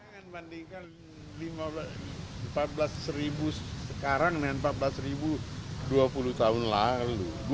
saya ingin bandingkan empat belas sekarang dengan empat belas dua puluh